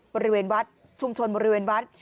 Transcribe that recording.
บริเวณวัดชุมชนบริเวณวัด